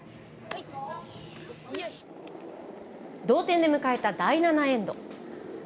同点で迎えた第７エンド。